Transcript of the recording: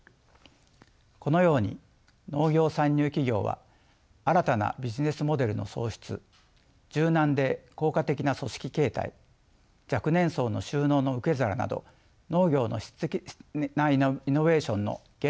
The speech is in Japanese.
このように農業参入企業は新たなビジネスモデルの創出柔軟で効果的な組織形態若年層の就農の受け皿など農業の質的なイノベーションの原動力ともなっています。